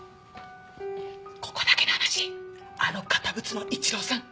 ここだけの話あの堅物の一郎さん